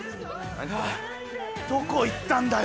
どこ行ったんだよ